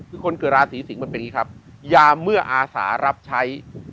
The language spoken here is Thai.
คือคนเกิดราศีสิงศ์มันเป็นอย่างนี้ครับยามเมื่ออาสารับใช้